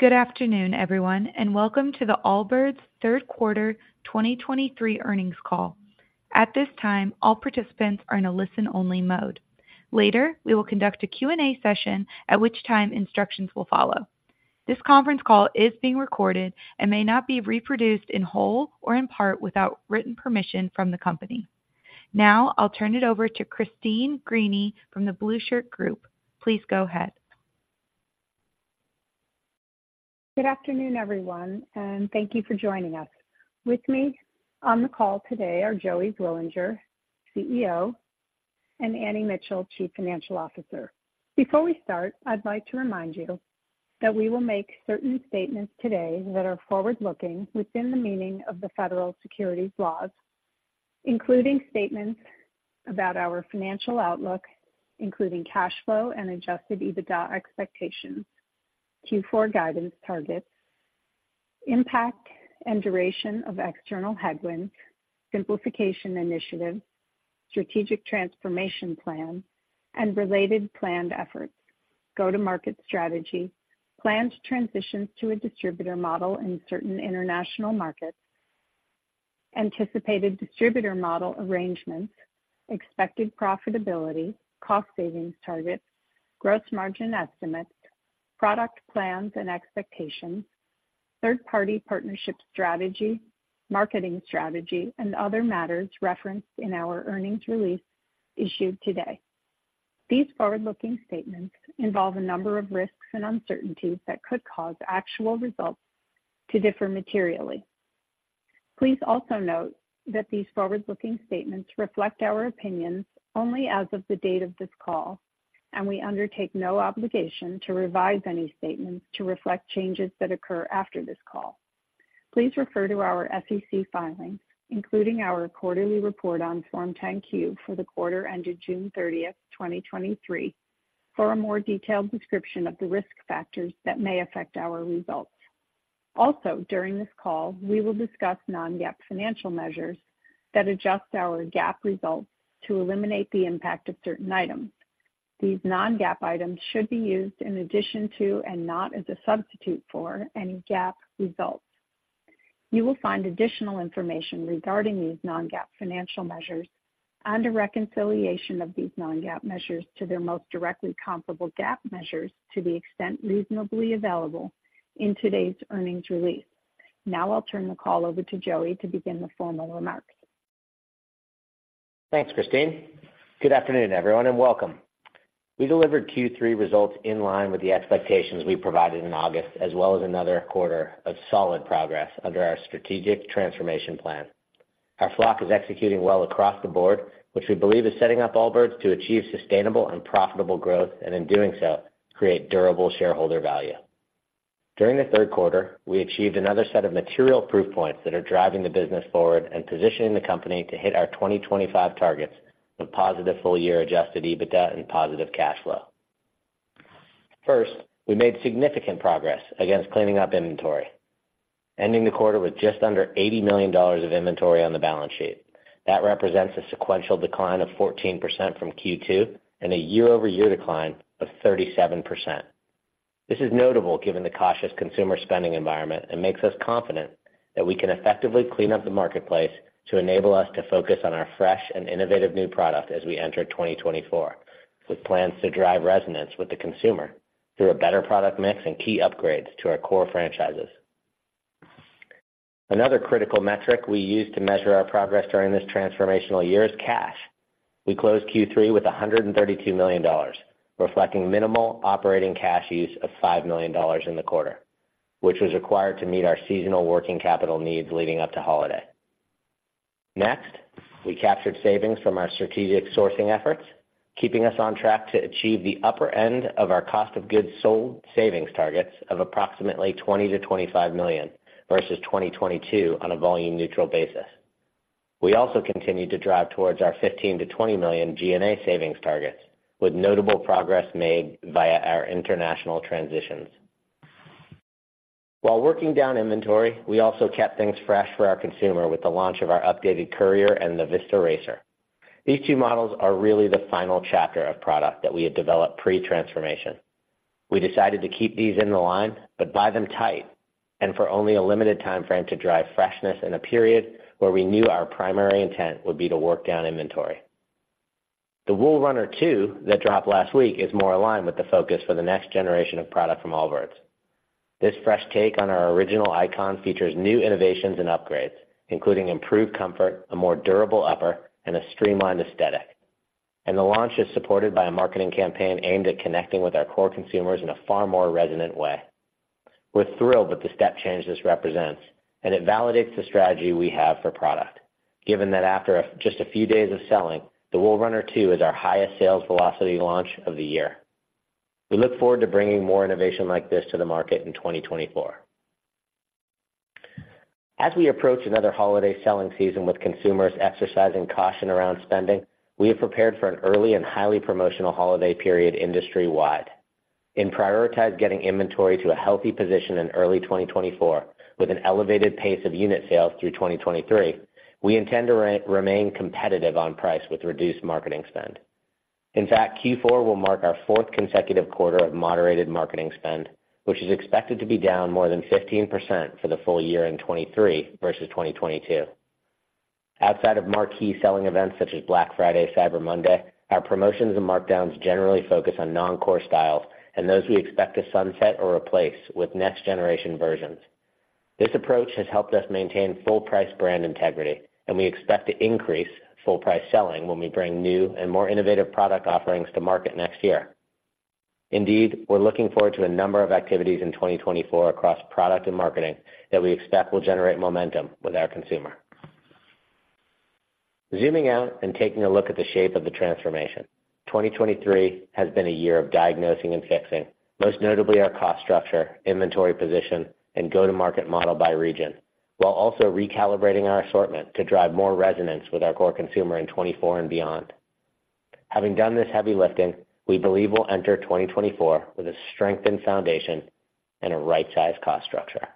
Good afternoon, everyone, and welcome to the Allbirds third quarter 2023 earnings call. At this time, all participants are in a listen-only mode. Later, we will conduct a Q&A session, at which time instructions will follow. This conference call is being recorded and may not be reproduced in whole or in part, without written permission from the company. Now I'll turn it over to Christine Greany from The Blueshirt Group. Please go ahead. Good afternoon, everyone, and thank you for joining us. With me on the call today are Joey Zwillinger, CEO, and Annie Mitchell, Chief Financial Officer. Before we start, I'd like to remind you that we will make certain statements today that are forward-looking within the meaning of the federal securities laws, including statements about our financial outlook, including cash flow and adjusted EBITDA expectations, Q4 guidance targets, impact and duration of external headwinds, simplification initiatives, strategic transformation plan, and related planned efforts, go-to-market strategy, planned transitions to a distributor model in certain international markets, anticipated distributor model arrangements, expected profitability, cost savings targets, gross margin estimates, product plans and expectations, third-party partnership strategy, marketing strategy, and other matters referenced in our earnings release issued today. These forward-looking statements involve a number of risks and uncertainties that could cause actual results to differ materially. Please also note that these forward-looking statements reflect our opinions only as of the date of this call, and we undertake no obligation to revise any statements to reflect changes that occur after this call. Please refer to our SEC filings, including our quarterly report on Form 10-Q for the quarter ended June 30, 2023, for a more detailed description of the risk factors that may affect our results. Also, during this call, we will discuss non-GAAP financial measures that adjust our GAAP results to eliminate the impact of certain items. These non-GAAP items should be used in addition to, and not as a substitute for, any GAAP results. You will find additional information regarding these non-GAAP financial measures and a reconciliation of these non-GAAP measures to their most directly comparable GAAP measures, to the extent reasonably available in today's earnings release. Now I'll turn the call over to Joey to begin the formal remarks. Thanks, Christine. Good afternoon, everyone, and welcome. We delivered Q3 results in line with the expectations we provided in August, as well as another quarter of solid progress under our strategic transformation plan. Our flock is executing well across the board, which we believe is setting up Allbirds to achieve sustainable and profitable growth, and in doing so, create durable shareholder value. During the third quarter, we achieved another set of material proof points that are driving the business forward and positioning the company to hit our 2025 targets of positive full-year adjusted EBITDA and positive cash flow. First, we made significant progress against cleaning up inventory, ending the quarter with just under $80 million of inventory on the balance sheet. That represents a sequential decline of 14% from Q2 and a year-over-year decline of 37%. This is notable given the cautious consumer spending environment and makes us confident that we can effectively clean up the marketplace to enable us to focus on our fresh and innovative new product as we enter 2024, with plans to drive resonance with the consumer through a better product mix and key upgrades to our core franchises. Another critical metric we use to measure our progress during this transformational year is cash. We closed Q3 with $132 million, reflecting minimal operating cash use of $5 million in the quarter, which was required to meet our seasonal working capital needs leading up to holiday. Next, we captured savings from our strategic sourcing efforts, keeping us on track to achieve the upper end of our cost of goods sold savings targets of approximately $20 million-$25 million versus 2022 on a volume neutral basis. We also continued to drive towards our $15 million-$20 million G&A savings targets, with notable progress made via our international transitions. While working down inventory, we also kept things fresh for our consumer with the launch of our updated Courier and the Riser. These two models are really the final chapter of product that we had developed pre-transformation. We decided to keep these in the line, but buy them tight and for only a limited time frame to drive freshness in a period where we knew our primary intent would be to work down inventory. The Wool Runner 2 that dropped last week is more aligned with the focus for the next generation of product from Allbirds. This fresh take on our original icon features new innovations and upgrades, including improved comfort, a more durable upper, and a streamlined aesthetic. The launch is supported by a marketing campaign aimed at connecting with our core consumers in a far more resonant way. We're thrilled with the step change this represents, and it validates the strategy we have for product, given that after just a few days of selling, the Wool Runner 2 is our highest sales velocity launch of the year. We look forward to bringing more innovation like this to the market in 2024. As we approach another holiday selling season with consumers exercising caution around spending, we have prepared for an early and highly promotional holiday period industry-wide. In prioritizing getting inventory to a healthy position in early 2024 with an elevated pace of unit sales through 2023, we intend to remain competitive on price with reduced marketing spend. In fact, Q4 will mark our fourth consecutive quarter of moderated marketing spend, which is expected to be down more than 15% for the full year in 2023 versus 2022. Outside of marquee selling events such as Black Friday, Cyber Monday, our promotions and markdowns generally focus on non-core styles and those we expect to sunset or replace with next-generation versions. This approach has helped us maintain full price brand integrity, and we expect to increase full price selling when we bring new and more innovative product offerings to market next year. Indeed, we're looking forward to a number of activities in 2024 across product and marketing, that we expect will generate momentum with our consumer. Zooming out and taking a look at the shape of the transformation, 2023 has been a year of diagnosing and fixing, most notably our cost structure, inventory position, and go-to-market model by region, while also recalibrating our assortment to drive more resonance with our core consumer in 2024 and beyond. Having done this heavy lifting, we believe we'll enter 2024 with a strengthened foundation and a right-sized cost structure.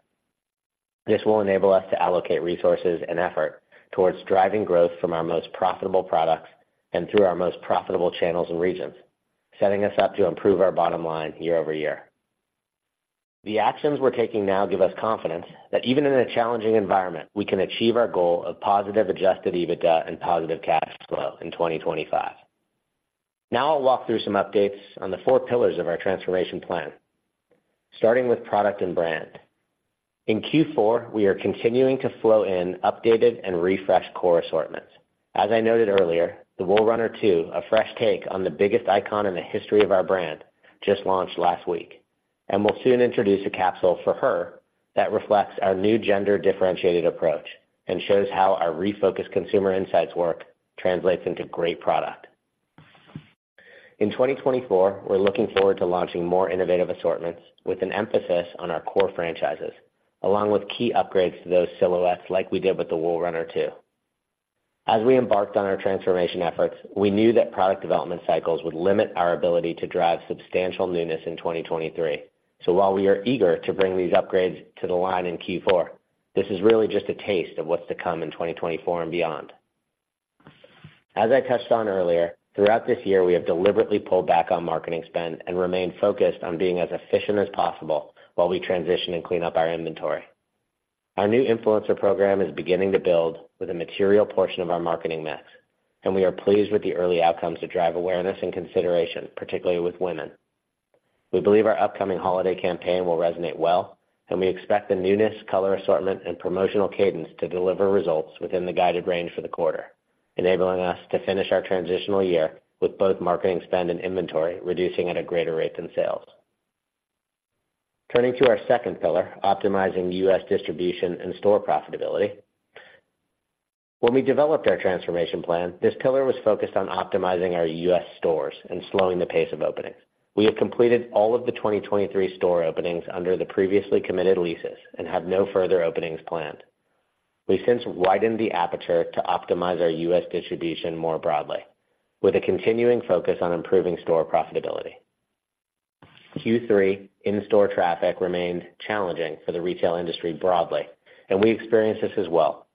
This will enable us to allocate resources and effort towards driving growth from our most profitable products and through our most profitable channels and regions, setting us up to improve our bottom line year over year. The actions we're taking now give us confidence that even in a challenging environment, we can achieve our goal of positive Adjusted EBITDA and positive cash flow in 2025. Now I'll walk through some updates on the four pillars of our transformation plan, starting with product and brand. In Q4, we are continuing to flow in updated and refreshed core assortments. As I noted earlier, the Wool Runner 2, a fresh take on the biggest icon in the history of our brand, just launched last week, and we'll soon introduce a capsule for her that reflects our new gender differentiated approach and shows how our refocused consumer insights work translates into great product. In 2024, we're looking forward to launching more innovative assortments with an emphasis on our core franchises, along with key upgrades to those silhouettes, like we did with the Wool Runner 2. As we embarked on our transformation efforts, we knew that product development cycles would limit our ability to drive substantial newness in 2023. So while we are eager to bring these upgrades to the line in Q4, this is really just a taste of what's to come in 2024 and beyond. As I touched on earlier, throughout this year, we have deliberately pulled back on marketing spend and remained focused on being as efficient as possible while we transition and clean up our inventory. Our new influencer program is beginning to build with a material portion of our marketing mix, and we are pleased with the early outcomes to drive awareness and consideration, particularly with women. We believe our upcoming holiday campaign will resonate well, and we expect the newness, color, assortment, and promotional cadence to deliver results within the guided range for the quarter, enabling us to finish our transitional year with both marketing spend and inventory, reducing at a greater rate than sales. Turning to our second pillar, optimizing the US. distribution and store profitability. When we developed our transformation plan, this pillar was focused on optimizing our US stores and slowing the pace of openings. We have completed all of the 2023 store openings under the previously committed leases and have no further openings planned. We've since widened the aperture to optimize our US distribution more broadly, with a continuing focus on improving store profitability. Q3 in-store traffic remained challenging for the retail industry broadly, and we experienced this as well.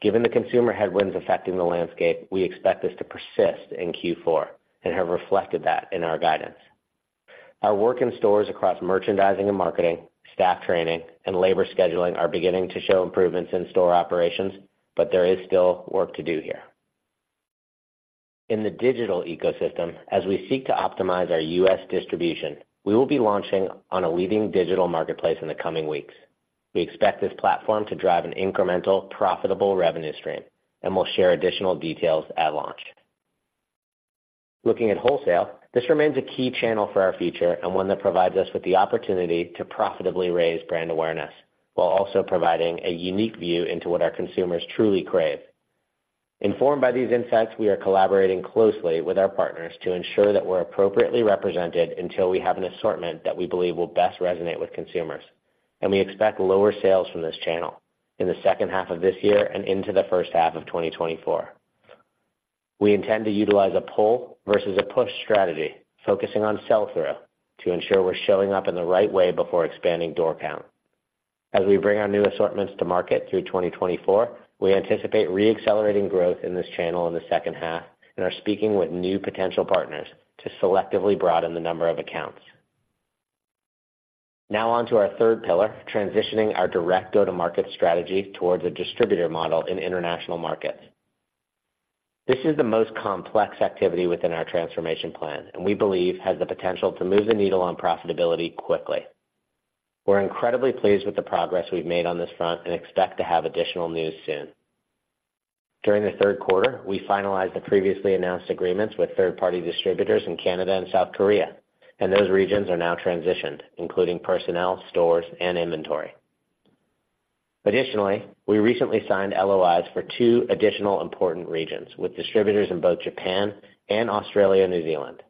Given the consumer headwinds affecting the landscape, we expect this to persist in Q4 and have reflected that in our guidance. Our work in stores across merchandising and marketing, staff training, and labor scheduling are beginning to show improvements in store operations, but there is still work to do here. In the digital ecosystem, as we seek to optimize our US distribution, we will be launching on a leading digital marketplace in the coming weeks. We expect this platform to drive an incremental, profitable revenue stream, and we'll share additional details at launch. Looking at wholesale, this remains a key channel for our future and one that provides us with the opportunity to profitably raise brand awareness, while also providing a unique view into what our consumers truly crave. Informed by these insights, we are collaborating closely with our partners to ensure that we're appropriately represented until we have an assortment that we believe will best resonate with consumers. And we expect lower sales from this channel in the second half of this year and into the first half of 2024. We intend to utilize a pull versus a push strategy, focusing on sell-through, to ensure we're showing up in the right way before expanding door count. As we bring our new assortments to market through 2024, we anticipate re-accelerating growth in this channel in the second half and are speaking with new potential partners to selectively broaden the number of accounts. Now on to our third pillar, transitioning our direct go-to-market strategy towards a distributor model in international markets. This is the most complex activity within our transformation plan and we believe has the potential to move the needle on profitability quickly. We're incredibly pleased with the progress we've made on this front and expect to have additional news soon. During the third quarter, we finalized the previously announced agreements with third-party distributors in Canada and South Korea, and those regions are now transitioned, including personnel, stores, and inventory. Additionally, we recently signed LOIs for two additional important regions with distributors in both Japan and Australia, New Zealand.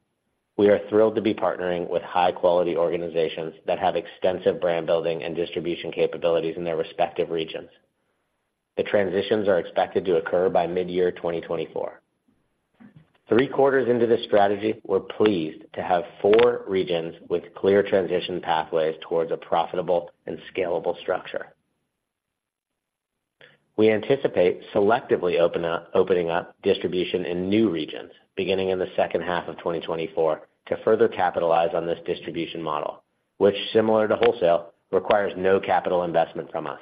We are thrilled to be partnering with high-quality organizations that have extensive brand building and distribution capabilities in their respective regions. The transitions are expected to occur by mid-year 2024. Three quarters into this strategy, we're pleased to have four regions with clear transition pathways towards a profitable and scalable structure. We anticipate selectively opening up distribution in new regions, beginning in the second half of 2024, to further capitalize on this distribution model, which, similar to wholesale, requires no capital investment from us.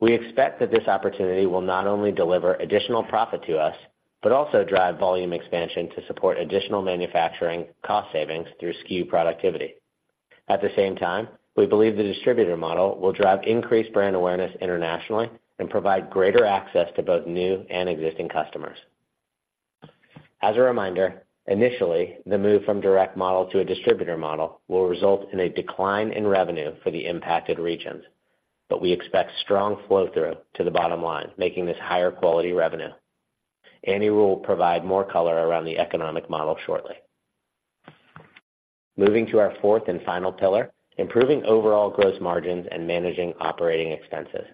We expect that this opportunity will not only deliver additional profit to us, but also drive volume expansion to support additional manufacturing cost savings through SKU productivity. At the same time, we believe the distributor model will drive increased brand awareness internationally and provide greater access to both new and existing customers. As a reminder, initially, the move from direct model to a distributor model will result in a decline in revenue for the impacted regions, but we expect strong flow-through to the bottom line, making this higher quality revenue. Annie will provide more color around the economic model shortly. Moving to our fourth and final pillar, improving overall gross margins and managing operating expenses.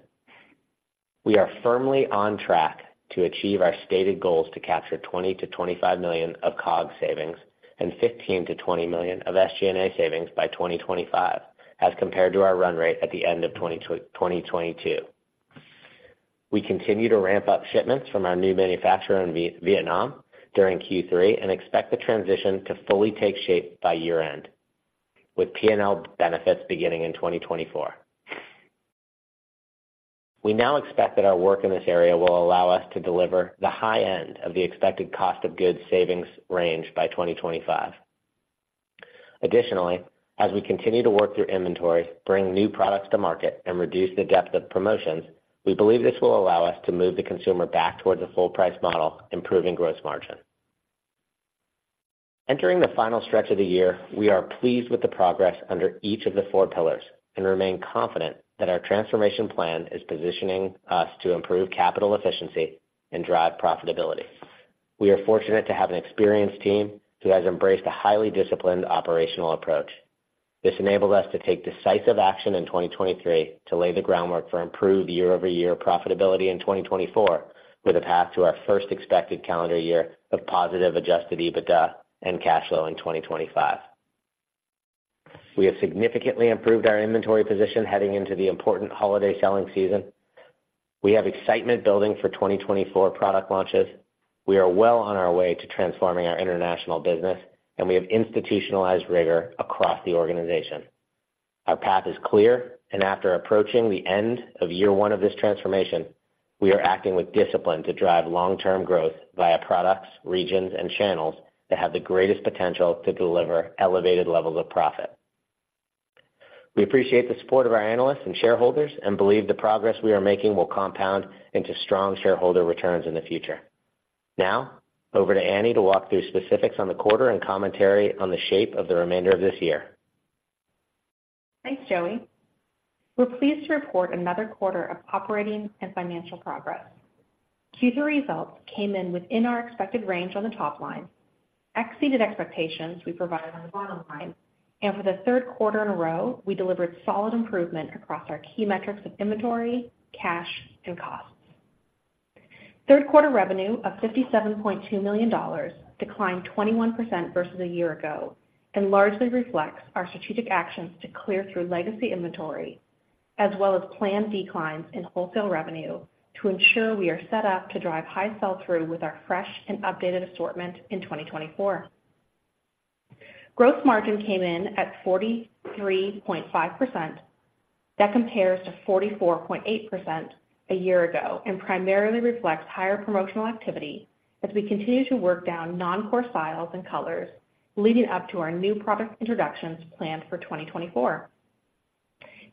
We are firmly on track to achieve our stated goals to capture $20-$25 million of COGS savings and $15-$20 million of SG&A savings by 2025, as compared to our run rate at the end of 2022. We continue to ramp up shipments from our new manufacturer in Vietnam during Q3 and expect the transition to fully take shape by year-end, with P&L benefits beginning in 2024. We now expect that our work in this area will allow us to deliver the high end of the expected cost of goods savings range by 2025. Additionally, as we continue to work through inventory, bring new products to market, and reduce the depth of promotions, we believe this will allow us to move the consumer back towards a full price model, improving gross margin. Entering the final stretch of the year, we are pleased with the progress under each of the four pillars and remain confident that our transformation plan is positioning us to improve capital efficiency and drive profitability. We are fortunate to have an experienced team who has embraced a highly disciplined operational approach. This enabled us to take decisive action in 2023 to lay the groundwork for improved year-over-year profitability in 2024, with a path to our first expected calendar year of positive adjusted EBITDA and cash flow in 2025. We have significantly improved our inventory position heading into the important holiday selling season. We have excitement building for 2024 product launches. We are well on our way to transforming our international business, and we have institutionalized rigor across the organization. Our path is clear, and after approaching the end of year one of this transformation, we are acting with discipline to drive long-term growth via products, regions, and channels that have the greatest potential to deliver elevated levels of profit. We appreciate the support of our analysts and shareholders and believe the progress we are making will compound into strong shareholder returns in the future. Now, over to Annie to walk through specifics on the quarter and commentary on the shape of the remainder of this year. Thanks, Joey. We're pleased to report another quarter of operating and financial progress. Q3 results came in within our expected range on the top line, exceeded expectations we provided on the bottom line, and for the third quarter in a row, we delivered solid improvement across our key metrics of inventory, cash, and costs. Third quarter revenue of $57.2 million declined 21% versus a year ago and largely reflects our strategic actions to clear through legacy inventory, as well as planned declines in wholesale revenue to ensure we are set up to drive high sell-through with our fresh and updated assortment in 2024. Gross margin came in at 43.5%. That compares to 44.8% a year ago and primarily reflects higher promotional activity as we continue to work down non-core styles and colors leading up to our new product introductions planned for 2024.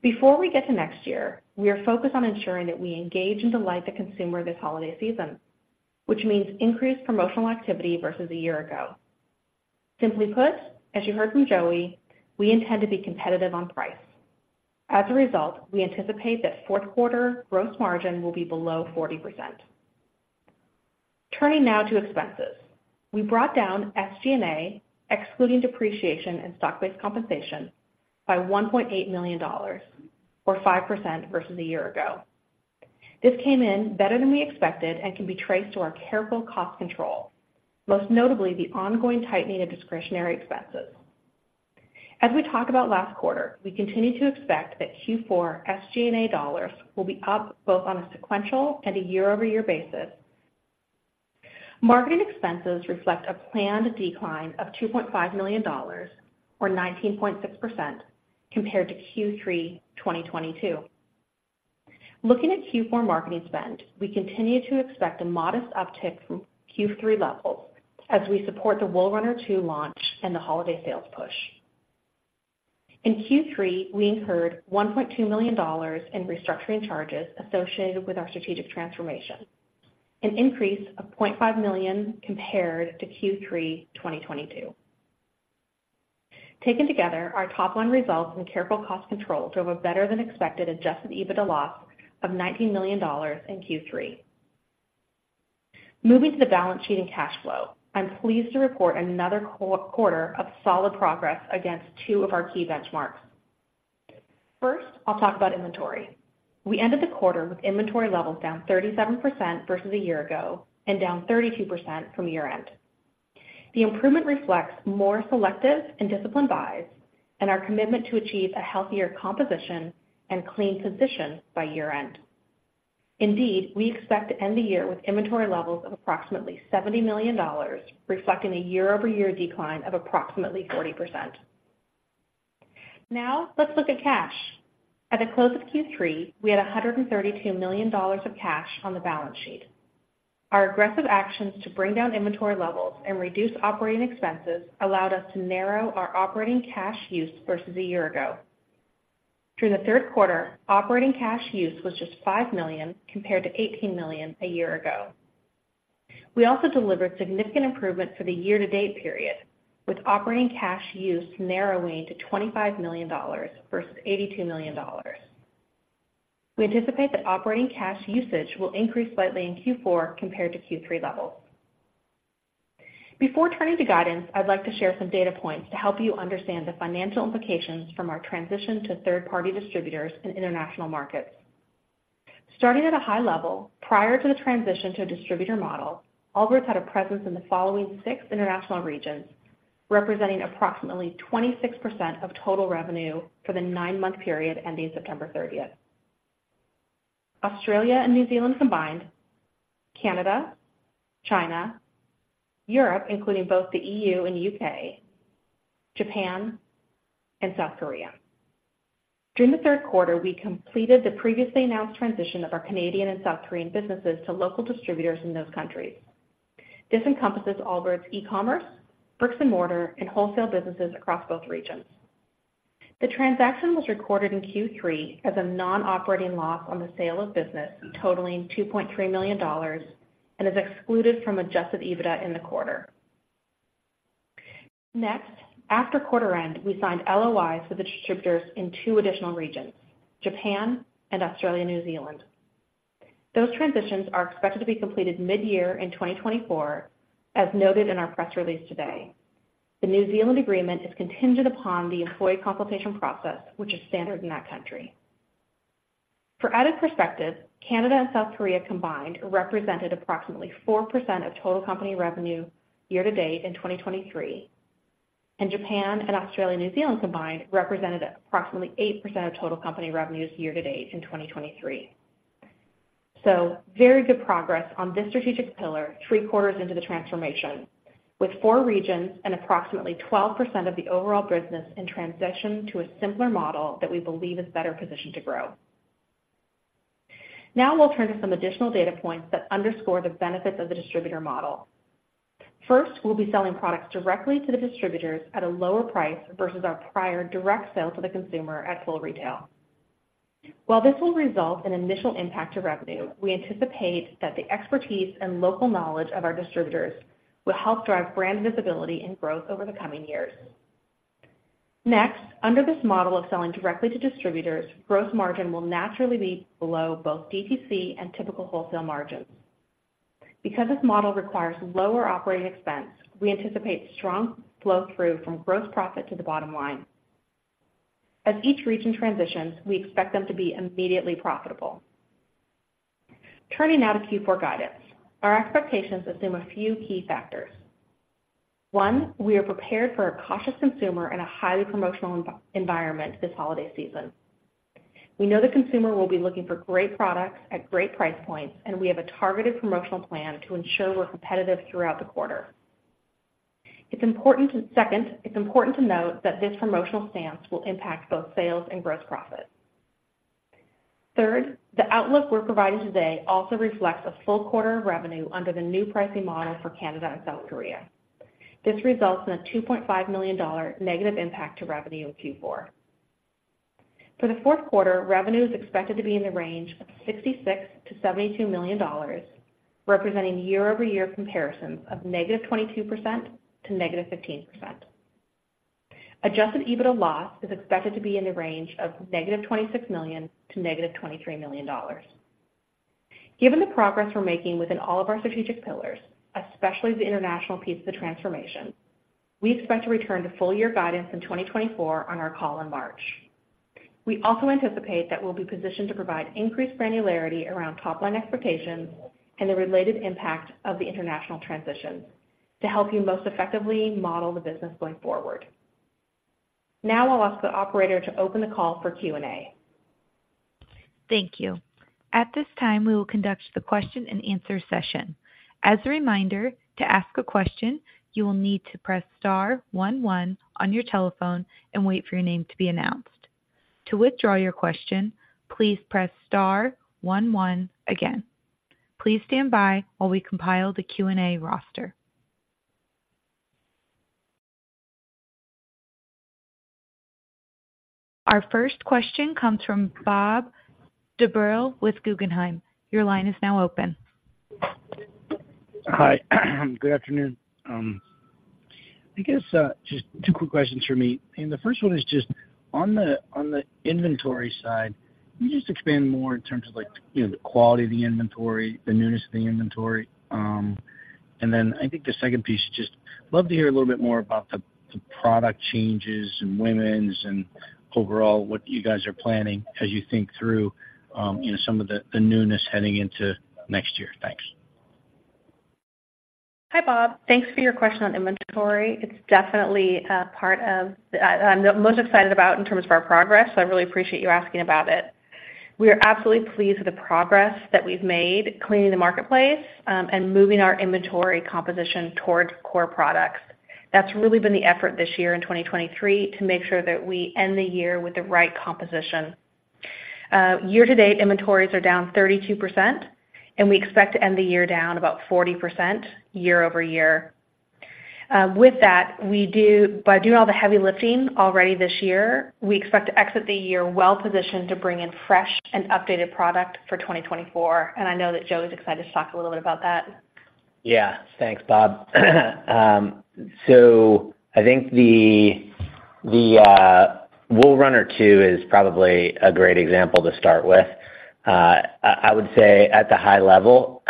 Before we get to next year, we are focused on ensuring that we engage and delight the consumer this holiday season, which means increased promotional activity versus a year ago. Simply put, as you heard from Joey, we intend to be competitive on price. As a result, we anticipate that fourth quarter gross margin will be below 40%. Turning now to expenses. We brought down SG&A, excluding depreciation and stock-based compensation, by $1.8 million or 5% versus a year ago. This came in better than we expected and can be traced to our careful cost control, most notably the ongoing tightening of discretionary expenses. As we talked about last quarter, we continue to expect that Q4 SG&A dollars will be up both on a sequential and a year-over-year basis. Marketing expenses reflect a planned decline of $2.5 million, or 19.6%, compared to Q3 2022. Looking at Q4 marketing spend, we continue to expect a modest uptick from Q3 levels as we support the Wool Runner 2 launch and the holiday sales push. In Q3, we incurred $1.2 million in restructuring charges associated with our strategic transformation, an increase of $0.5 million compared to Q3 2022. Taken together, our top line results and careful cost control drove a better-than-expected adjusted EBITDA loss of $19 million in Q3. Moving to the balance sheet and cash flow. I'm pleased to report another quarter of solid progress against two of our key benchmarks. First, I'll talk about inventory. We ended the quarter with inventory levels down 37% versus a year ago and down 32% from year-end. The improvement reflects more selective and disciplined buys and our commitment to achieve a healthier composition and clean position by year-end. Indeed, we expect to end the year with inventory levels of approximately $70 million, reflecting a year-over-year decline of approximately 40%. Now, let's look at cash. At the close of Q3, we had $132 million of cash on the balance sheet. Our aggressive actions to bring down inventory levels and reduce operating expenses allowed us to narrow our operating cash use versus a year ago. Through the third quarter, operating cash use was just $5 million, compared to $18 million a year ago. We also delivered significant improvement for the year-to-date period, with operating cash use narrowing to $25 million versus $82 million. We anticipate that operating cash usage will increase slightly in Q4 compared to Q3 levels. Before turning to guidance, I'd like to share some data points to help you understand the financial implications from our transition to third-party distributors in international markets. Starting at a high level, prior to the transition to a distributor model, Allbirds had a presence in the following six international regions, representing approximately 26% of total revenue for the nine-month period ending September thirtieth. Australia and New Zealand combined, Canada, China, Europe, including both the EU and U.K., Japan, and South Korea. During the third quarter, we completed the previously announced transition of our Canadian and South Korean businesses to local distributors in those countries. This encompasses Allbirds' e-commerce, bricks-and-mortar, and wholesale businesses across both regions. The transaction was recorded in Q3 as a non-operating loss on the sale of business, totaling $2.3 million, and is excluded from Adjusted EBITDA in the quarter. Next, after quarter end, we signed LOIs for the distributors in two additional regions, Japan and Australia, New Zealand. Those transitions are expected to be completed mid-year in 2024, as noted in our press release today. The New Zealand agreement is contingent upon the employee consultation process, which is standard in that country. For added perspective, Canada and South Korea combined represented approximately 4% of total company revenue year to date in 2023, and Japan and Australia, New Zealand combined represented approximately 8% of total company revenues year to date in 2023. So very good progress on this strategic pillar, three quarters into the transformation, with four regions and approximately 12% of the overall business in transition to a simpler model that we believe is better positioned to grow. Now we'll turn to some additional data points that underscore the benefits of the distributor model. First, we'll be selling products directly to the distributors at a lower price versus our prior direct sale to the consumer at full retail. While this will result in initial impact to revenue, we anticipate that the expertise and local knowledge of our distributors will help drive brand visibility and growth over the coming years. Next, under this model of selling directly to distributors, gross margin will naturally be below both DTC and typical wholesale margins. Because this model requires lower operating expense, we anticipate strong flow through from gross profit to the bottom line. As each region transitions, we expect them to be immediately profitable. Turning now to Q4 guidance. Our expectations assume a few key factors. One, we are prepared for a cautious consumer and a highly promotional environment this holiday season. We know the consumer will be looking for great products at great price points, and we have a targeted promotional plan to ensure we're competitive throughout the quarter. It's important to... Second, it's important to note that this promotional stance will impact both sales and gross profit. Third, the outlook we're providing today also reflects a full quarter of revenue under the new pricing model for Canada and South Korea. This results in a $2.5 million negative impact to revenue in Q4. For the fourth quarter, revenue is expected to be in the range of $66 million-$72 million, representing year-over-year comparisons of -22% to -15%. Adjusted EBITDA loss is expected to be in the range of -$26 million to -$23 million. Given the progress we're making within all of our strategic pillars, especially the international piece of the transformation, we expect to return to full year guidance in 2024 on our call in March. We also anticipate that we'll be positioned to provide increased granularity around top-line expectations and the related impact of the international transitions to help you most effectively model the business going forward. Now I'll ask the operator to open the call for Q&A. Thank you. At this time, we will conduct the question-and-answer session. As a reminder, to ask a question, you will need to press star one one on your telephone and wait for your name to be announced. To withdraw your question, please press star one one again. Please stand by while we compile the Q&A roster. Our first question comes from Bob Drbul with Guggenheim Securities. Your line is now open. Hi, good afternoon. I guess, just two quick questions from me. And the first one is just on the inventory side, can you just expand more in terms of like, you know, the quality of the inventory, the newness of the inventory? And then I think the second piece, just love to hear a little bit more about the product changes in women's and overall, what you guys are planning as you think through, you know, some of the newness heading into next year. Thanks.... Hi, Bob. Thanks for your question on inventory. It's definitely a part of, I'm the most excited about in terms of our progress, so I really appreciate you asking about it. We are absolutely pleased with the progress that we've made cleaning the marketplace, and moving our inventory composition towards core products. That's really been the effort this year in 2023, to make sure that we end the year with the right composition. Year-to-date, inventories are down 32%, and we expect to end the year down about 40% year-over-year. With that, we do, by doing all the heavy lifting already this year, we expect to exit the year well positioned to bring in fresh and updated product for 2024, and I know that Joey is excited to talk a little bit about that. Yeah. Thanks, Bob. So I think the Wool Runner 2 is probably a great example to start with. I would say at the high level,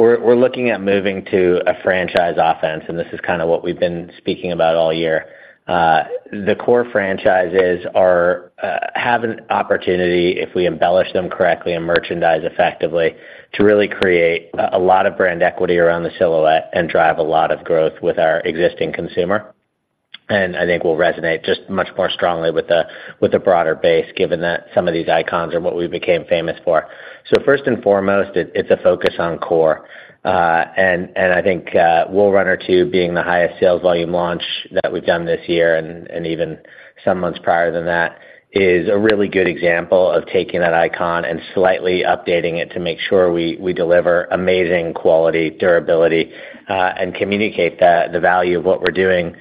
we're looking at moving to a franchise offense, and this is kinda what we've been speaking about all year. The core franchises have an opportunity, if we embellish them correctly and merchandise effectively, to really create a lot of brand equity around the silhouette and drive a lot of growth with our existing consumer. And I think we'll resonate just much more strongly with the broader base, given that some of these icons are what we became famous for. So first and foremost, it's a focus on core. I think Wool Runner 2 being the highest sales volume launch that we've done this year and even some months prior than that is a really good example of taking that icon and slightly updating it to make sure we deliver amazing quality, durability, and communicate the value of what we're doing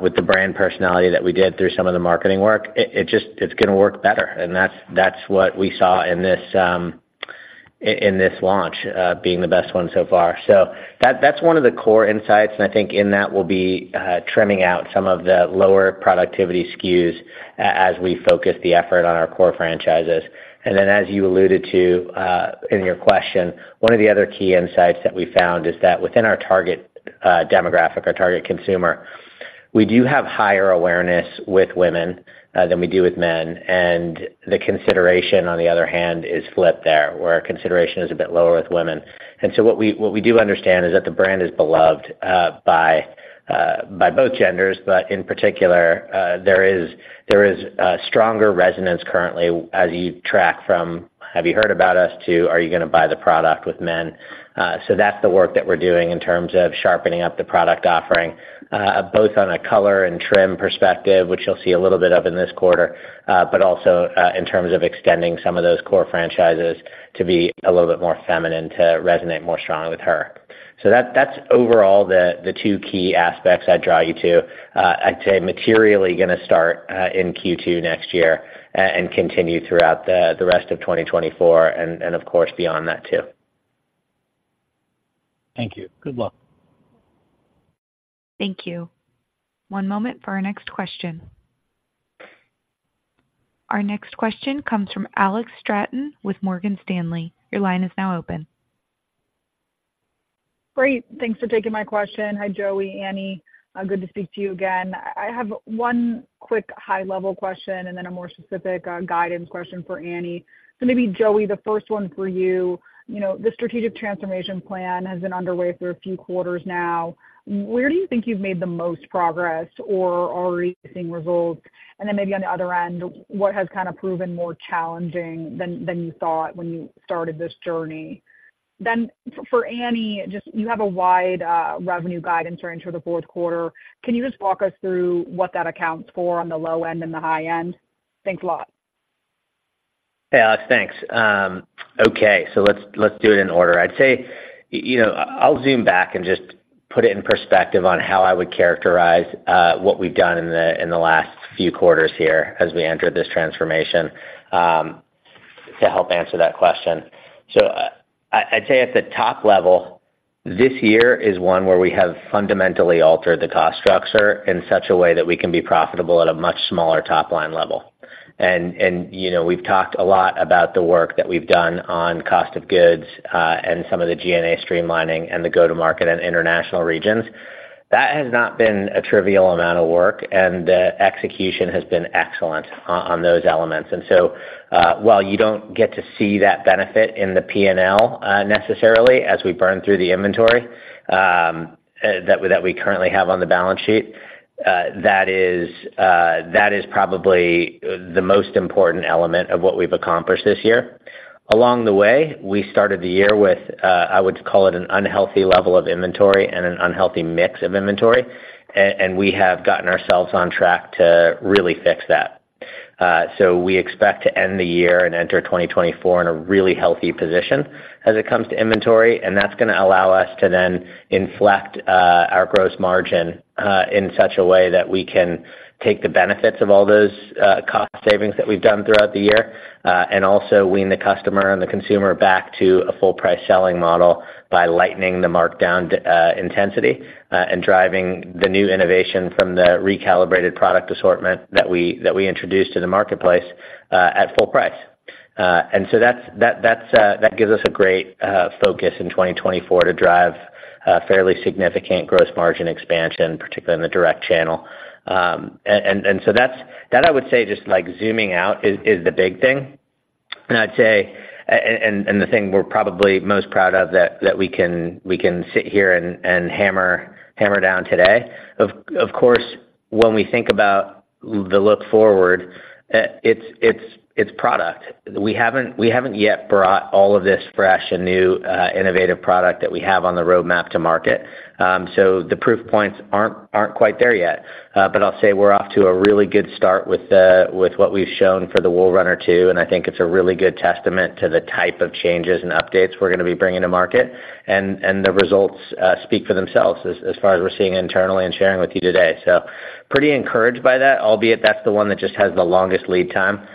with the brand personality that we did through some of the marketing work. It just. It's gonna work better, and that's what we saw in this launch being the best one so far. So that's one of the core insights, and I think in that, we'll be trimming out some of the lower productivity SKUs as we focus the effort on our core franchises. Then, as you alluded to, in your question, one of the other key insights that we found is that within our target demographic, our target consumer, we do have higher awareness with women than we do with men, and the consideration, on the other hand, is flipped there, where our consideration is a bit lower with women. And so what we do understand is that the brand is beloved by both genders, but in particular, there is stronger resonance currently as you track from, "Have you heard about us?" to, "Are you gonna buy the product with men?" So that's the work that we're doing in terms of sharpening up the product offering both on a color and trim perspective, which you'll see a little bit of in this quarter, but also in terms of extending some of those core franchises to be a little bit more feminine, to resonate more strongly with her. So that's overall the two key aspects I'd draw you to. I'd say materially gonna start in Q2 next year and continue throughout the rest of 2024, and of course, beyond that too. Thank you. Good luck. Thank you. One moment for our next question. Our next question comes from Alex Straton with Morgan Stanley. Your line is now open. Great! Thanks for taking my question. Hi, Joey, Annie. Good to speak to you again. I have one quick high-level question and then a more specific guidance question for Annie. So maybe Joey, the first one for you. You know, the strategic transformation plan has been underway for a few quarters now. Where do you think you've made the most progress or already seeing results? And then maybe on the other end, what has kind of proven more challenging than you thought when you started this journey? Then for Annie, just you have a wide revenue guidance range for the fourth quarter. Can you just walk us through what that accounts for on the low end and the high end? Thanks a lot. Hey, Alex. Thanks. Okay, so let's, let's do it in order. I'd say, you know, I'll zoom back and just put it in perspective on how I would characterize what we've done in the last few quarters here as we entered this transformation to help answer that question. So I'd say at the top level, this year is one where we have fundamentally altered the cost structure in such a way that we can be profitable at a much smaller top-line level. And, you know, we've talked a lot about the work that we've done on cost of goods and some of the G&A streamlining and the go-to-market and international regions. That has not been a trivial amount of work, and the execution has been excellent on those elements. And so, while you don't get to see that benefit in the PNL, necessarily, as we burn through the inventory that we currently have on the balance sheet, that is probably the most important element of what we've accomplished this year. Along the way, we started the year with I would call it an unhealthy level of inventory and an unhealthy mix of inventory, and we have gotten ourselves on track to really fix that. So we expect to end the year and enter 2024 in a really healthy position as it comes to inventory, and that's gonna allow us to then inflect our gross margin in such a way that we can take the benefits of all those cost savings that we've done throughout the year and also wean the customer and the consumer back to a full price selling model by lightening the markdown intensity and driving the new innovation from the recalibrated product assortment that we introduced to the marketplace at full price. And so that gives us a great focus in 2024 to drive a fairly significant gross margin expansion, particularly in the direct channel. and so that's. That I would say, just like zooming out, is the big thing. And I'd say, the thing we're probably most proud of that we can sit here and hammer down today. Of course, when we think about the look forward, it's product. We haven't yet brought all of this fresh and new, innovative product that we have on the roadmap to market. So the proof points aren't quite there yet. But I'll say we're off to a really good start with what we've shown for the Wool Runner 2, and I think it's a really good testament to the type of changes and updates we're gonna be bringing to market. The results speak for themselves as far as we're seeing internally and sharing with you today. So pretty encouraged by that, albeit that's the one that just has the longest lead time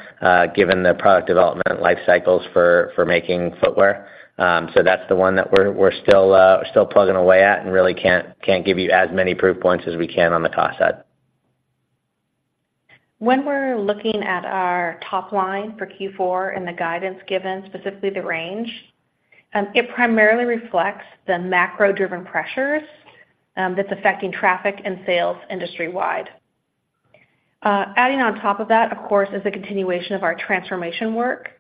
given the product development life cycles for making footwear. So that's the one that we're still plugging away at and really can't give you as many proof points as we can on the Dasher. When we're looking at our top line for Q4 and the guidance given, specifically the range, it primarily reflects the macro-driven pressures that's affecting traffic and sales industry-wide. Adding on top of that, of course, is the continuation of our transformation work,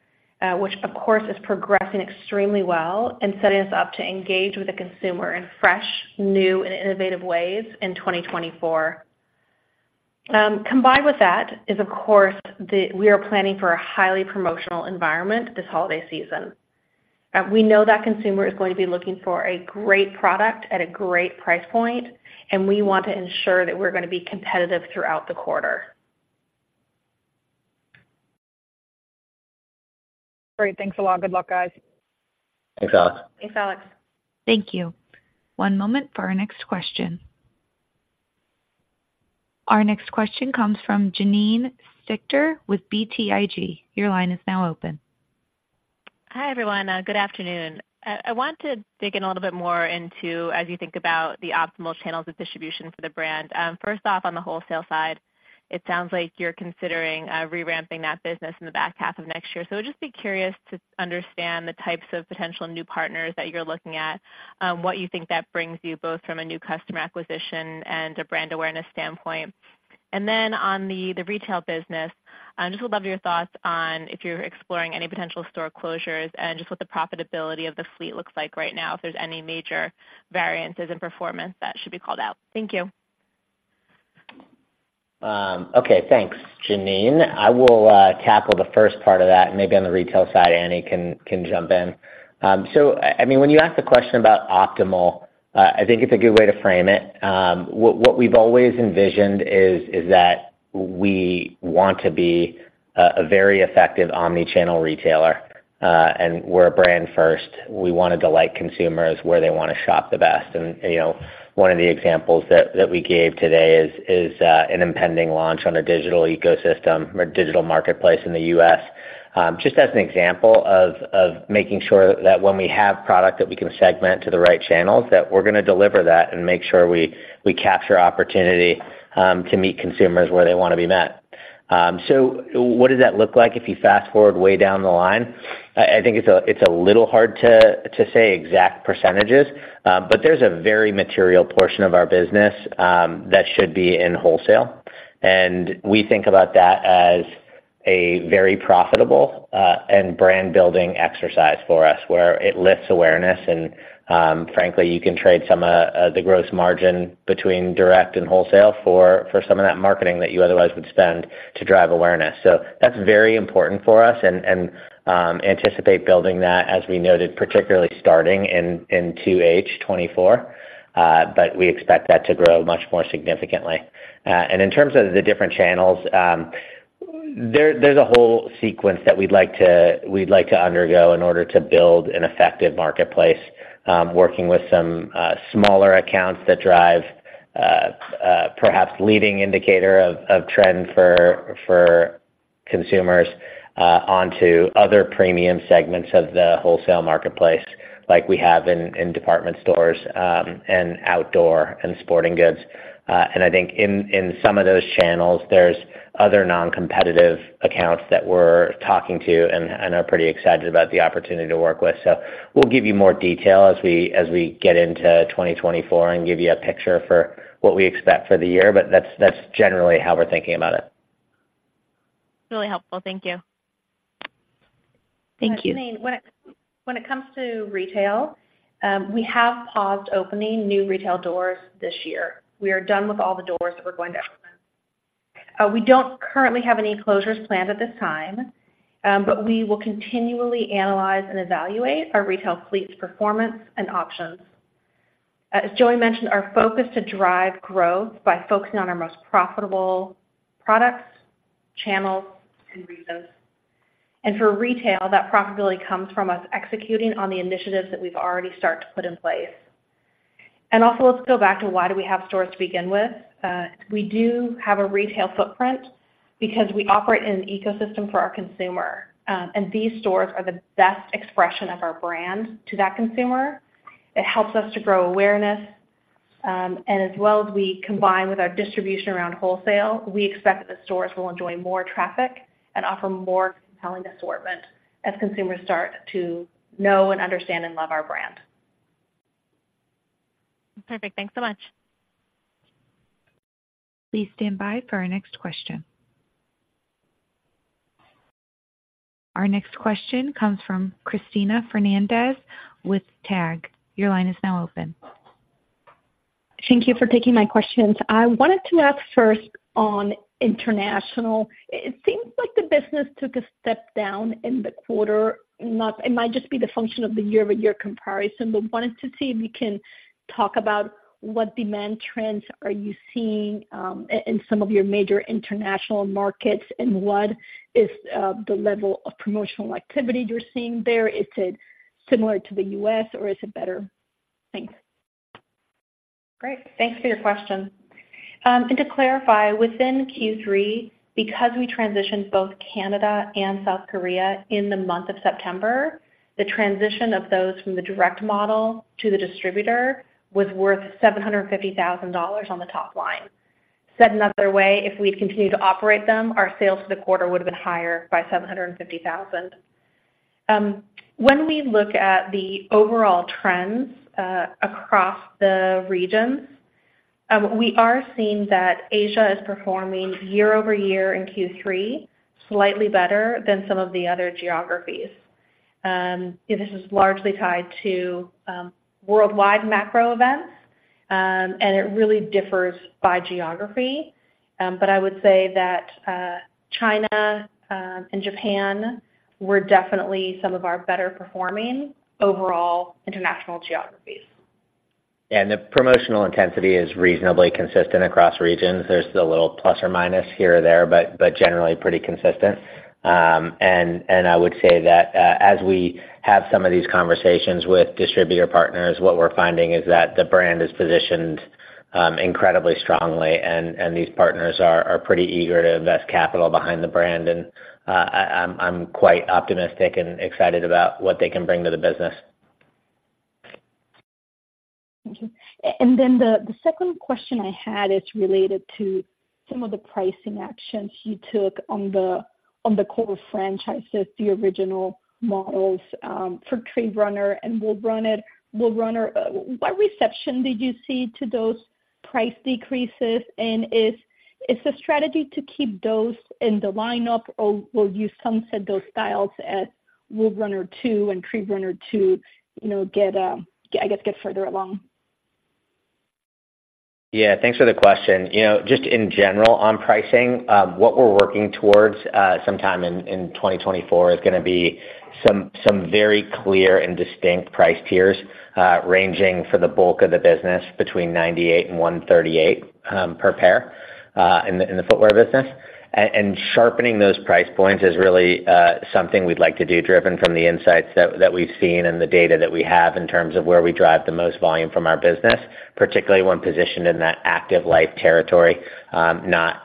which of course is progressing extremely well and setting us up to engage with the consumer in fresh, new, and innovative ways in 2024. Combined with that is, of course, we are planning for a highly promotional environment this holiday season. We know that consumer is going to be looking for a great product at a great price point, and we want to ensure that we're gonna be competitive throughout the quarter. Great. Thanks a lot. Good luck, guys. Thanks, Alex. Thanks, Alex. Thank you. One moment for our next question. Our next question comes from Janine Stichter with BTIG. Your line is now open. Hi, everyone. Good afternoon. I want to dig in a little bit more into, as you think about the optimal channels of distribution for the brand. First off, on the wholesale side, it sounds like you're considering, reramping that business in the back half of next year. So I'd just be curious to understand the types of potential new partners that you're looking at, what you think that brings you, both from a new customer acquisition and a brand awareness standpoint. And then on the retail business, just would love your thoughts on if you're exploring any potential store closures and just what the profitability of the fleet looks like right now, if there's any major variances in performance that should be called out. Thank you. Okay, thanks, Janine. I will tackle the first part of that, and maybe on the retail side, Annie can jump in. So I mean, when you ask the question about optimal, I think it's a good way to frame it. What we've always envisioned is that we want to be a very effective omni-channel retailer, and we're a brand first. We want to delight consumers where they wanna shop the best. And, you know, one of the examples that we gave today is an impending launch on a digital ecosystem or digital marketplace in the U.S. Just as an example of making sure that when we have product that we can segment to the right channels, that we're gonna deliver that and make sure we capture opportunity to meet consumers where they wanna be met. So what does that look like if you fast forward way down the line? I think it's a little hard to say exact percentages, but there's a very material portion of our business that should be in wholesale. We think about that as a very profitable and brand-building exercise for us, where it lifts awareness, and frankly, you can trade some the gross margin between direct and wholesale for some of that marketing that you otherwise would spend to drive awareness. So that's very important for us and anticipate building that, as we noted, particularly starting in 2H 2024, but we expect that to grow much more significantly. And in terms of the different channels, there's a whole sequence that we'd like to undergo in order to build an effective marketplace, working with some perhaps leading indicator of trend for consumers onto other premium segments of the wholesale marketplace, like we have in department stores and outdoor and sporting goods. And I think in some of those channels, there's other non-competitive accounts that we're talking to and are pretty excited about the opportunity to work with. So we'll give you more detail as we, as we get into 2024 and give you a picture for what we expect for the year, but that's, that's generally how we're thinking about it. Really helpful. Thank you. Thank you. When it comes to retail, we have paused opening new retail doors this year. We are done with all the doors that we're going to open. We don't currently have any closures planned at this time, but we will continually analyze and evaluate our retail fleet's performance and options. As Joey mentioned, our focus to drive growth by focusing on our most profitable products, channels, and regions. For retail, that profitability comes from us executing on the initiatives that we've already started to put in place. Also, let's go back to why do we have stores to begin with? We do have a retail footprint because we operate in an ecosystem for our consumer, and these stores are the best expression of our brand to that consumer. It helps us to grow awareness, and as well as we combine with our distribution around wholesale, we expect that the stores will enjoy more traffic and offer a more compelling assortment as consumers start to know and understand and love our brand. ... Perfect. Thanks so much. Please stand by for our next question. Our next question comes from Cristina Fernández with TAG. Your line is now open. Thank you for taking my questions. I wanted to ask first on international. It seems like the business took a step down in the quarter, not, it might just be the function of the year-over-year comparison, but wanted to see if you can talk about what demand trends are you seeing in some of your major international markets, and what is the level of promotional activity you're seeing there? Is it similar to the U.S. or is it better? Thanks. Great, thanks for your question. And to clarify, within Q3, because we transitioned both Canada and South Korea in the month of September, the transition of those from the direct model to the distributor was worth $750,000 on the top line. Said another way, if we'd continued to operate them, our sales for the quarter would have been higher by $750,000. When we look at the overall trends, across the regions, we are seeing that Asia is performing year-over-year in Q3, slightly better than some of the other geographies. This is largely tied to, worldwide macro events, and it really differs by geography. But I would say that, China, and Japan were definitely some of our better performing overall international geographies. The promotional intensity is reasonably consistent across regions. There's the little plus or minus here or there, but generally pretty consistent. I would say that as we have some of these conversations with distributor partners, what we're finding is that the brand is positioned incredibly strongly, and these partners are pretty eager to invest capital behind the brand. I'm quite optimistic and excited about what they can bring to the business. Thank you. And then the second question I had is related to some of the pricing actions you took on the core franchises, the original models, for Tree Runner and Wool Runner. Wool Runner, what reception did you see to those price decreases? And is the strategy to keep those in the lineup, or will you sunset those styles as Wool Runner 2 and Tree Runner 2, you know, get, I guess, get further along? Yeah, thanks for the question. You know, just in general, on pricing, what we're working towards, sometime in 2024 is gonna be some very clear and distinct price tiers, ranging for the bulk of the business between $98 and $138 per pair in the footwear business. And sharpening those price points is really something we'd like to do, driven from the insights that we've seen and the data that we have in terms of where we drive the most volume from our business, particularly when positioned in that active life territory. Not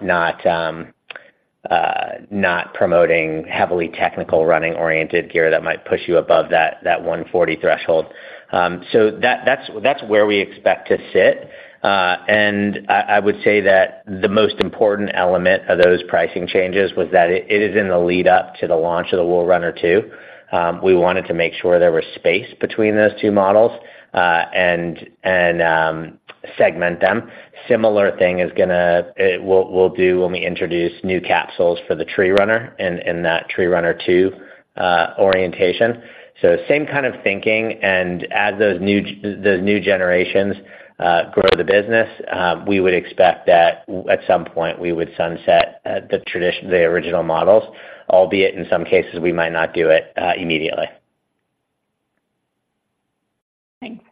promoting heavily technical running-oriented gear that might push you above that $140 threshold. So that's where we expect to sit. And I, I would say that the most important element of those pricing changes was that it, it is in the lead up to the launch of the Wool Runner 2. We wanted to make sure there was space between those two models, and segment them. A similar thing is gonna. We'll do when we introduce new capsules for the Tree Runner in that Tree Runner 2 orientation. So same kind of thinking, and as those new generations grow the business, we would expect that at some point, we would sunset the traditional, the original models, albeit in some cases we might not do it immediately. Thanks.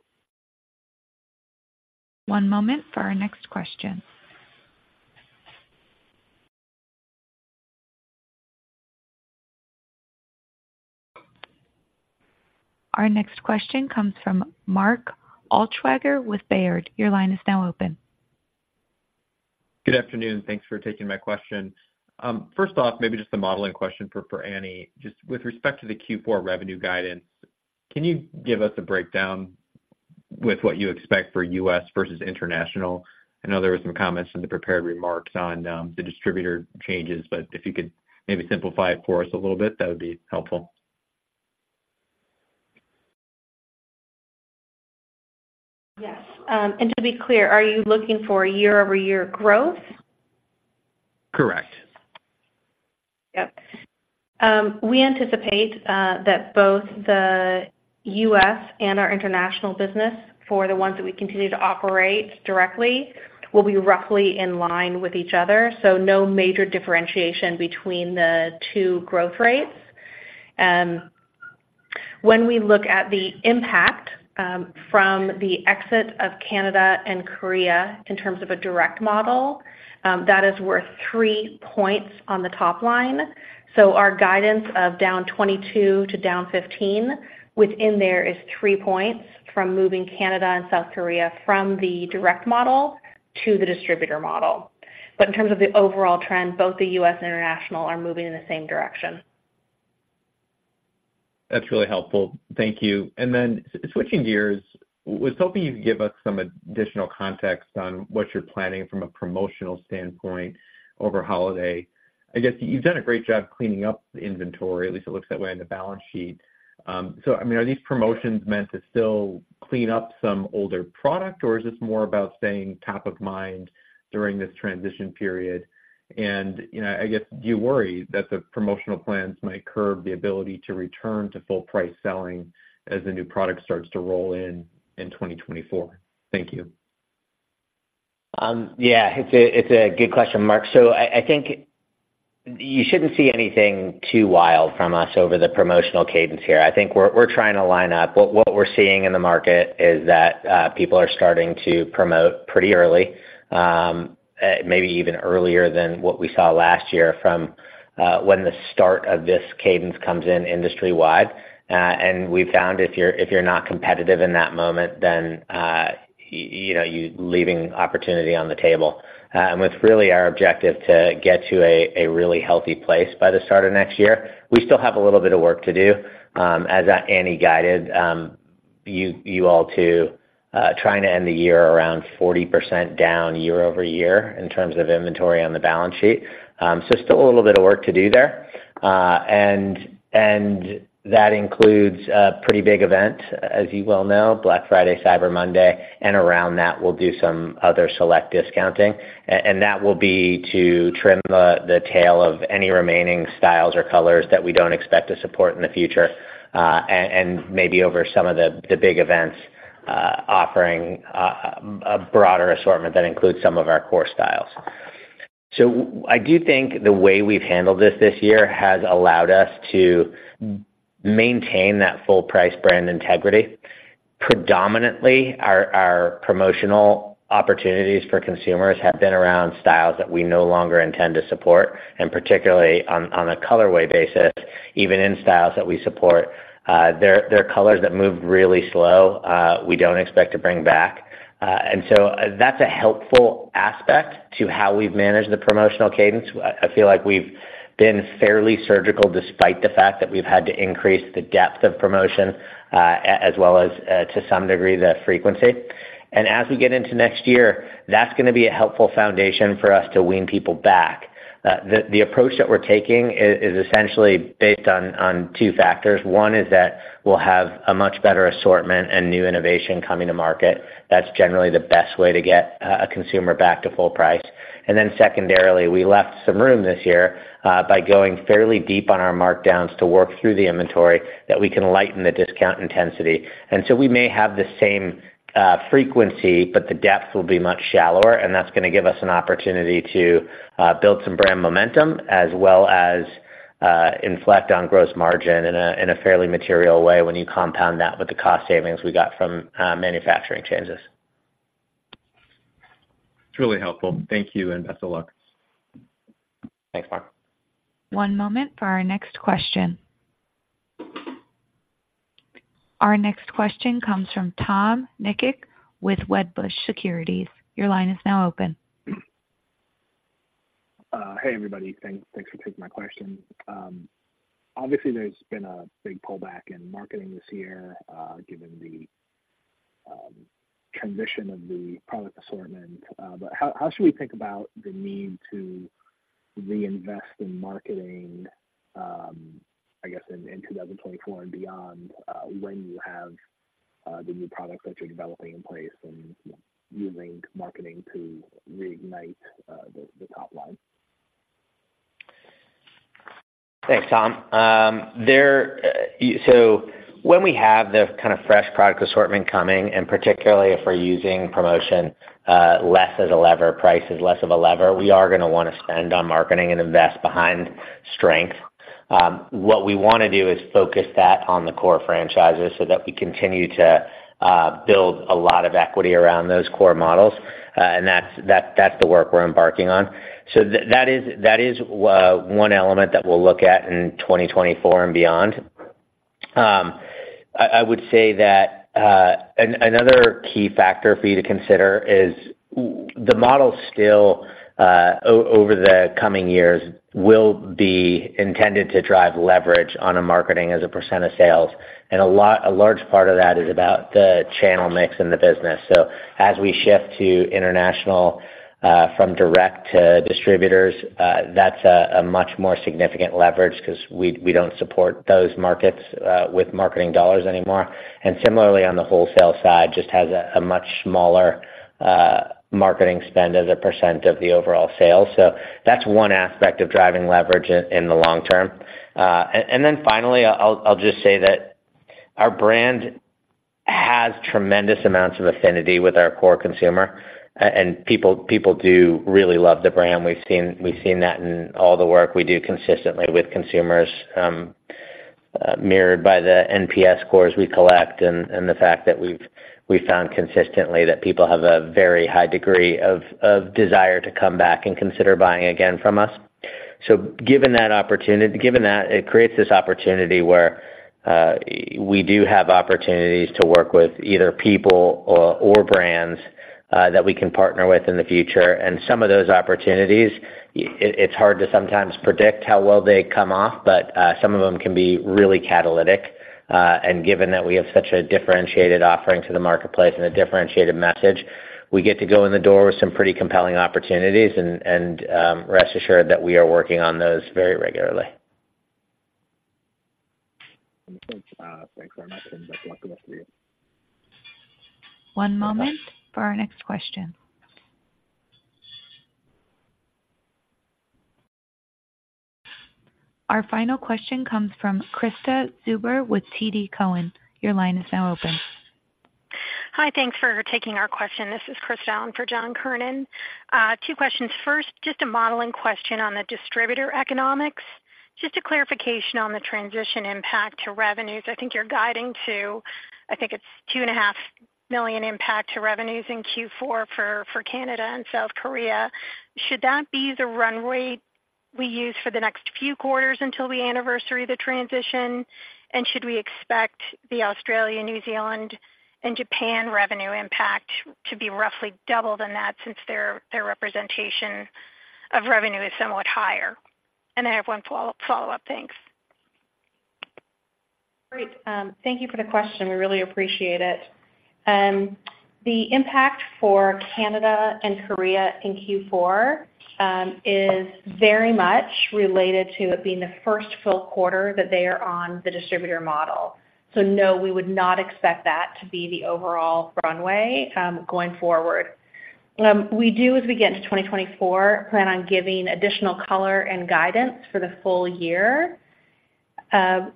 One moment for our next question. Our next question comes from Mark Altschwager with Baird. Your line is now open. Good afternoon. Thanks for taking my question. First off, maybe just a modeling question for, for Annie. Just with respect to the Q4 revenue guidance, can you give us a breakdown with what you expect for U.S. versus international? I know there were some comments in the prepared remarks on the distributor changes, but if you could maybe simplify it for us a little bit, that would be helpful. Yes. To be clear, are you looking for year-over-year growth? Correct. Yep. We anticipate that both the U.S. and our international business, for the ones that we continue to operate directly, will be roughly in line with each other. So no major differentiation between the two growth rates. When we look at the impact from the exit of Canada and South Korea in terms of a direct model, that is worth three points on the top line. So our guidance of down 22 to down 15, within there is three points from moving Canada and South Korea from the direct model to the distributor model. But in terms of the overall trend, both the U.S. and international are moving in the same direction. ... That's really helpful. Thank you. And then switching gears, I was hoping you could give us some additional context on what you're planning from a promotional standpoint over holiday. I guess you've done a great job cleaning up the inventory, at least it looks that way on the balance sheet. So I mean, are these promotions meant to still clean up some older product, or is this more about staying top of mind during this transition period? And, you know, I guess, do you worry that the promotional plans might curb the ability to return to full price selling as the new product starts to roll in, in 2024? Thank you. Yeah, it's a good question, Mark. So I think you shouldn't see anything too wild from us over the promotional cadence here. I think we're trying to line up. What we're seeing in the market is that people are starting to promote pretty early, maybe even earlier than what we saw last year from when the start of this cadence comes in industry-wide. And we've found if you're not competitive in that moment, then you know, you're leaving opportunity on the table. And what's really our objective to get to a really healthy place by the start of next year. We still have a little bit of work to do, as Annie guided you all to trying to end the year around 40% down year-over-year in terms of inventory on the balance sheet. So still a little bit of work to do there. And that includes a pretty big event, as you well know, Black Friday, Cyber Monday, and around that, we'll do some other select discounting, and that will be to trim the tail of any remaining styles or colors that we don't expect to support in the future, and maybe over some of the big events, offering a broader assortment that includes some of our core styles. So I do think the way we've handled this year has allowed us to maintain that full price brand integrity. Predominantly, our promotional opportunities for consumers have been around styles that we no longer intend to support, and particularly on a colorway basis, even in styles that we support, there are colors that move really slow, we don't expect to bring back. And so that's a helpful aspect to how we've managed the promotional cadence. I feel like we've been fairly surgical, despite the fact that we've had to increase the depth of promotion, as well as, to some degree, the frequency. And as we get into next year, that's gonna be a helpful foundation for us to wean people back. The approach that we're taking is essentially based on two factors. One is that we'll have a much better assortment and new innovation coming to market. That's generally the best way to get a consumer back to full price. And then secondarily, we left some room this year by going fairly deep on our markdowns to work through the inventory, that we can lighten the discount intensity. And so we may have the same frequency, but the depth will be much shallower, and that's gonna give us an opportunity to build some brand momentum, as well as inflect on gross margin in a fairly material way when you compound that with the cost savings we got from manufacturing changes. It's really helpful. Thank you, and best of luck. Thanks, Mark. One moment for our next question. Our next question comes from Tom Nikic with Wedbush Securities. Your line is now open. Hey, everybody, thanks, thanks for taking my question. Obviously, there's been a big pullback in marketing this year, given the transition of the product assortment, but how should we think about the need to reinvest in marketing, I guess, in 2024 and beyond, when you have the new products that you're developing in place and using marketing to reignite the top line? Thanks, Tom. So when we have the kind of fresh product assortment coming, and particularly if we're using promotion less as a lever, prices less of a lever, we are gonna wanna spend on marketing and invest behind strength. What we wanna do is focus that on the core franchises so that we continue to build a lot of equity around those core models, and that's, that's, that's the work we're embarking on. So that is, that is one element that we'll look at in 2024 and beyond. I would say that another key factor for you to consider is the model still over the coming years will be intended to drive leverage on a marketing as a percent of sales, and a large part of that is about the channel mix in the business. So as we shift to international from direct to distributors, that's a much more significant leverage 'cause we don't support those markets with marketing dollars anymore. And similarly, on the wholesale side, just has a much smaller marketing spend as a percent of the overall sales. So that's one aspect of driving leverage in the long term. And then finally, I'll just say that our brand has tremendous amounts of affinity with our core consumer, and people, people do really love the brand. We've seen that in all the work we do consistently with consumers, mirrored by the NPS scores we collect and the fact that we've found consistently that people have a very high degree of desire to come back and consider buying again from us. So, given that opportunity, given that, it creates this opportunity where we do have opportunities to work with either people or brands that we can partner with in the future. And some of those opportunities, it's hard to sometimes predict how well they come off, but some of them can be really catalytic.... Given that we have such a differentiated offering to the marketplace and a differentiated message, we get to go in the door with some pretty compelling opportunities, and rest assured that we are working on those very regularly. Thanks, thanks very much, and good luck to the three of you. One moment for our next question. Our final question comes from Krista Zuber with TD Cowen. Your line is now open. Hi, thanks for taking our question. This is Krista in for John Kernan. Two questions. First, just a modeling question on the distributor economics. Just a clarification on the transition impact to revenues. I think you're guiding to, I think it's $2.5 million impact to revenues in Q4 for, for Canada and South Korea. Should that be the run rate we use for the next few quarters until we anniversary the transition? And should we expect the Australia, New Zealand, and Japan revenue impact to be roughly double than that since their, their representation of revenue is somewhat higher? And I have one follow-up, thanks. Great, thank you for the question. We really appreciate it. The impact for Canada and Korea in Q4 is very much related to it being the first full quarter that they are on the distributor model. So no, we would not expect that to be the overall run rate going forward. We do, as we get into 2024, plan on giving additional color and guidance for the full year,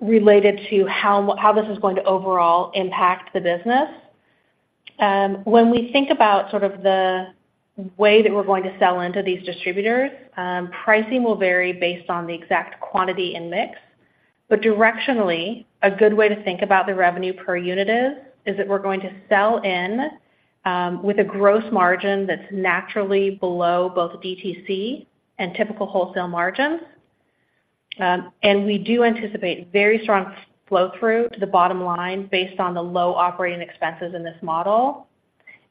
related to how, how this is going to overall impact the business. When we think about sort of the way that we're going to sell into these distributors, pricing will vary based on the exact quantity and mix. But directionally, a good way to think about the revenue per unit is, is that we're going to sell in with a gross margin that's naturally below both DTC and typical wholesale margins. We do anticipate very strong flow-through to the bottom line based on the low operating expenses in this model,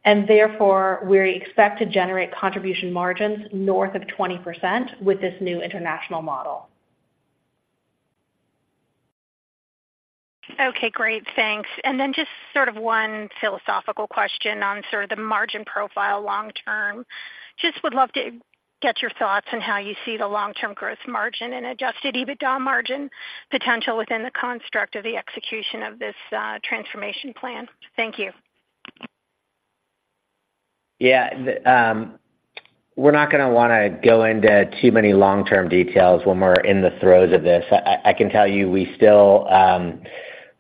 and therefore, we expect to generate contribution margins north of 20% with this new international model. Okay, great. Thanks. And then just sort of one philosophical question on sort of the margin profile long term. Just would love to get your thoughts on how you see the long-term gross margin and Adjusted EBITDA margin potential within the construct of the execution of this transformation plan. Thank you. Yeah, the, we're not gonna wanna go into too many long-term details when we're in the throes of this. I can tell you we still,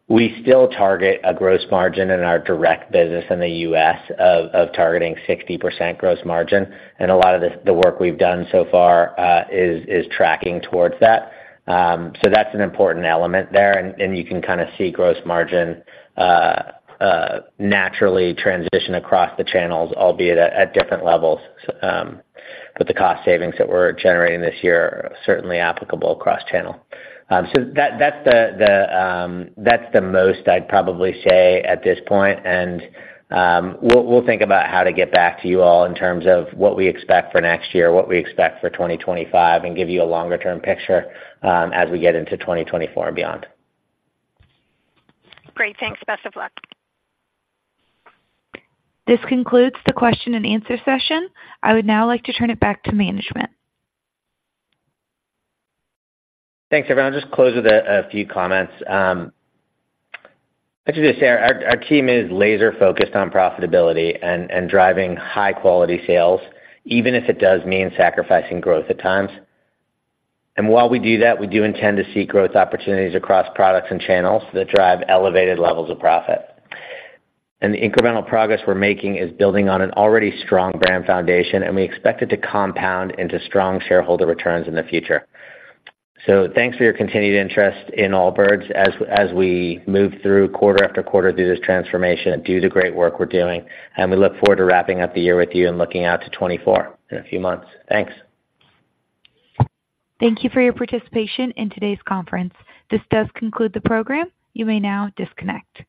we still target a gross margin in our direct business in the U.S. of, of targeting 60% gross margin, and a lot of this, the work we've done so far, is tracking towards that. So that's an important element there, and you can kinda see gross margin naturally transition across the channels, albeit at different levels. But the cost savings that we're generating this year are certainly applicable cross-channel. So that's the most I'd probably say at this point. We'll think about how to get back to you all in terms of what we expect for next year, what we expect for 2025, and give you a longer-term picture as we get into 2024 and beyond. Great, thanks. Best of luck. This concludes the question and answer session. I would now like to turn it back to management. Thanks, everyone. Just close with a few comments. I should just say our team is laser-focused on profitability and driving high-quality sales, even if it does mean sacrificing growth at times. And while we do that, we do intend to seek growth opportunities across products and channels that drive elevated levels of profit. And the incremental progress we're making is building on an already strong brand foundation, and we expect it to compound into strong shareholder returns in the future. So thanks for your continued interest in Allbirds as we move through quarter after quarter through this transformation and do the great work we're doing. And we look forward to wrapping up the year with you and looking out to 2024 in a few months. Thanks. Thank you for your participation in today's conference. This does conclude the program. You may now disconnect.